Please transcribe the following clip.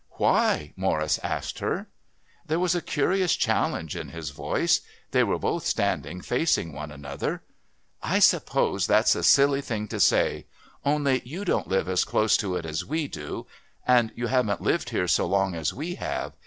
"Why?" Morris asked her. There was a curious challenge in his voice. They were both standing facing one another. "I suppose that's a silly thing to say. Only you don't live as close to it as we do, and you haven't lived here so long as we have.